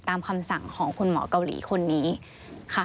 คำสั่งของคุณหมอเกาหลีคนนี้ค่ะ